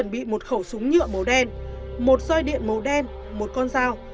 đã chuẩn bị một khẩu súng nhựa màu đen một dòi điện màu đen một con dao